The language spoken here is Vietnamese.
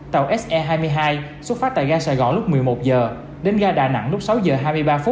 tàu se hai mươi hai xuất phát tại gai sài gòn lúc một mươi một h đến gai đà nẵng lúc sáu h hai mươi ba